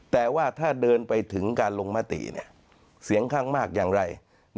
แต่ว่าถ้าเดินไปถึงการลงมติเสียงข้างมากอย่างไร